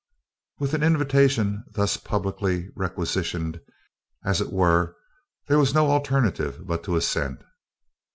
With an invitation thus publicly requisitioned, as it were, there was no alternative but to assent.